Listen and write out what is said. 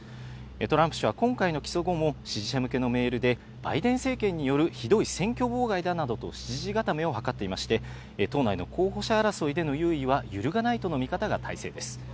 トランプ氏は今回の起訴後も支持者向けのメールで、バイデン政権によるひどい選挙妨害だなどと支持固めを図っていまして、党内の候補者争いでの優位は揺るがないとの見方が大勢です。